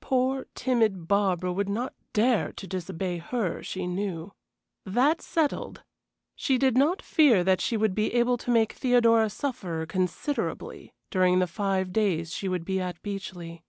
Poor, timid Barbara would not dare to disobey her, she knew. That settled, she did not fear that she would be able to make Theodora suffer considerably during the five days she would be at Beechleigh.